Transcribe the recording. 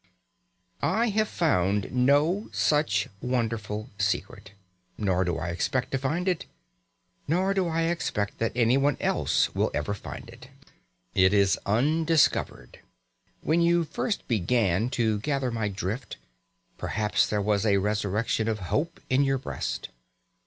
I have found no such wonderful secret. Nor do I expect to find it, nor do I expect that anyone else will ever find it. It is undiscovered. When you first began to gather my drift, perhaps there was a resurrection of hope in your breast.